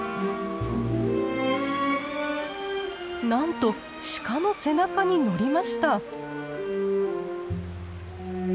なんとシカの背中に乗りました。